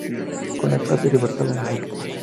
Con la carta de libertad en la mano.